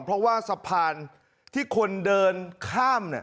เพราะว่าสะพานที่คนเดินข้าม